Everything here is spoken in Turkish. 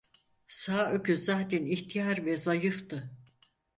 Sağ öküz zaten ihtiyar ve zayıftı.